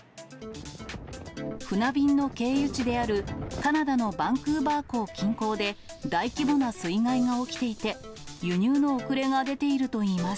船便の経由地であるカナダのバンクーバー港近郊で大規模な水害が起きていて、輸入の遅れが出ているといいます。